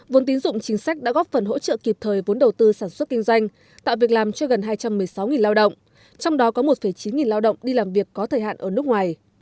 vốn tín dụng chính sách đã góp phần hỗ trợ kịp thời vốn đầu tư sản xuất kinh doanh tạo việc làm cho gần hai trăm một mươi sáu lao động trong đó có một chín lao động đi làm việc có thời hạn ở nước ngoài